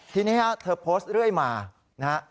ทีนี้เธอโพสต์เรื่อยมานะฮะ